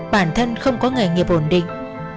bản thân không có nghề nghiệp ổn định